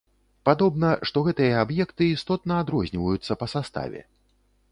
Падобна, што гэтыя аб'екты істотна адрозніваюцца па саставе.